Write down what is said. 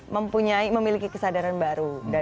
maksudnya memiliki kesadaran baru